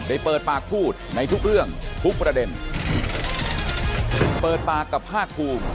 เปิดปากพูดในทุกเรื่องทุกประเด็นเปิดปากกับภาคภูมิ